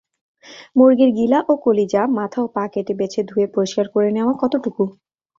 মুরগির গিলা ও কলিজা মাথা ও পা কেটে বেছে ধুয়ে পরিষ্কার করে নেওয়া কতটুকু?